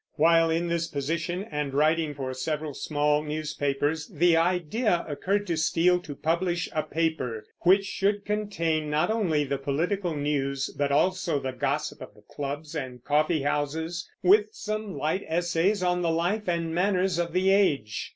While in this position, and writing for several small newspapers, the idea occurred to Steele to publish a paper which should contain not only the political news, but also the gossip of the clubs and coffeehouses, with some light essays on the life and manners of the age.